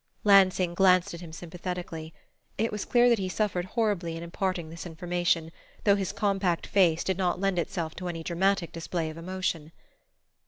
Lansing glanced at him sympathetically. It was clear that he suffered horribly in imparting this information, though his compact face did not lend itself to any dramatic display of emotion.